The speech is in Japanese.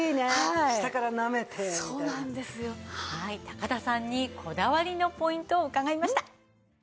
高田さんにこだわりのポイントを伺いました。